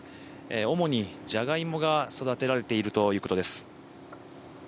主にじゃがいもが育てられているということです。